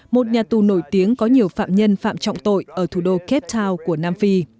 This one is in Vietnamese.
một nhà tù nổi tiếng có nhiều phạm nhân phạm trọng tội ở thủ đô cape town của nam phi